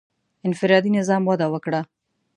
• انفرادي نظام وده وکړه.